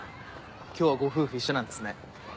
今日はご夫婦一緒なんですね。